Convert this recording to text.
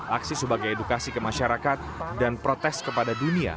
aksi sebagai edukasi kemasyarakat dan protes kepada dunia